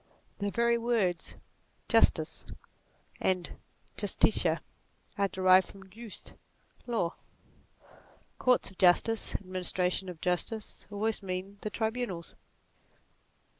The very words Justus and justitia are derived from jus, law. Courts of justice, administration of justice, always mean the tribunals.